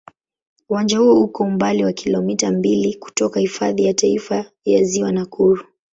Uwanja huo uko umbali wa kilomita mbili kutoka Hifadhi ya Taifa ya Ziwa Nakuru.